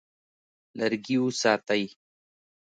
لرګي وساتئ.